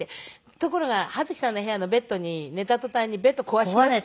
ところがはづきさんの部屋のベッドに寝た途端にベッド壊しまして。